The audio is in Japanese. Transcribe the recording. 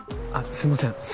あっすいません